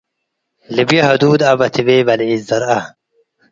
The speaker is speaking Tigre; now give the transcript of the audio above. .‘ ልብዬ ሀዱድ’ አበ ትቤ በልዒት ዘርአ፣